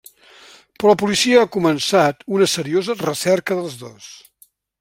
Però la policia ha començat una seriosa recerca dels dos.